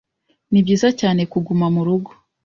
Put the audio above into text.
Nibyiza cyane kuguma murugo.